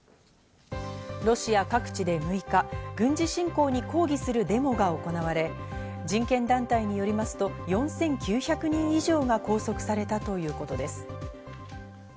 ロシア各地で６日、軍事侵攻に抗議するデモが行われ、人権団体によりますと、４９００人以上が拘束されたということです。